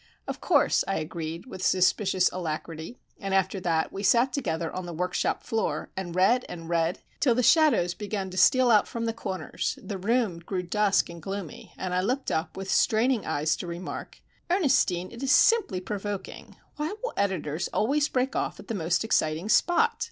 "Of course," I agreed, with suspicious alacrity; and after that we sat together on the workshop floor, and read and read; till the shadows began to steal out from the corners, the room grew dusk and gloomy, and I looked up with straining eyes to remark,— "Ernestine, it is simply provoking! Why will editors always break off at the most exciting spot?